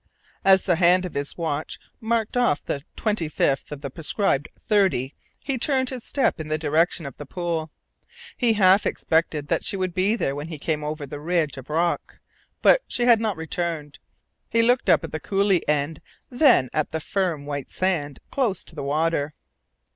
As the hand of his watch marked off the twenty fifth of the prescribed thirty he turned his steps in the direction of the pool. He half expected that she would be there when he came over the ridge of rock. But she had not returned. He looked up the coulee, end then at the firm white sand close to the water.